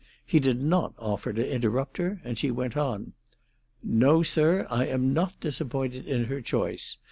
He did not offer to interrupt her, and she went on. "No, sir, I am not disappointed in her choice.